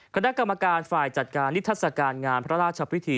คณะกรรมการฝ่ายจัดการนิทัศกาลงานพระราชพิธี